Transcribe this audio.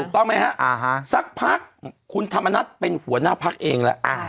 ถูกต้องไหมฮะสักพักคุณธรรมนัฏเป็นหัวหน้าพักเองแล้ว